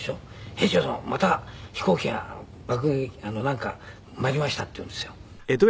「兵長殿また飛行機が爆撃なんかまいりました」って言うんですよ。